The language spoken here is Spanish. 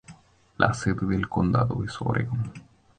La sede del condado es Oregon.